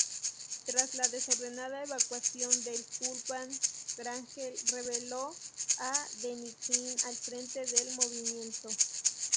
Tras la desordenada evacuación del Kubán, Wrangel relevó a Denikin al frente del movimiento.